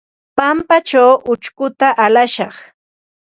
Pampaćhaw ućhkuta alashaq.